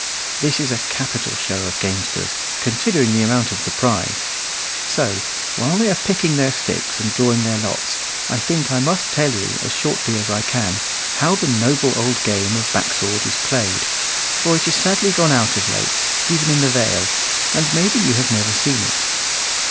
This is a capital show of gamesters, considering the amount of the prize; so, while they are picking their sticks and drawing their lots, I think I must tell you, as shortly as I can, how the noble old game of back sword is played; for it is sadly gone out of late, even in the Vale, and maybe you have never seen it.